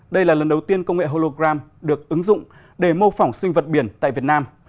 đây là lần đầu tiên công nghệ hologram được ứng dụng để mô phỏng sinh vật biển tại việt nam